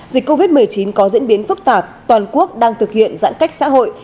dịch covid một mươi chín có diễn biến phức tạp toàn quốc đang thực hiện giãn cách xã hội